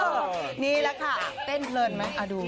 สมัครพี่มึงพี่เขาน่อยนี่แหละค่ะเต้นเพลินไหมอ่าดู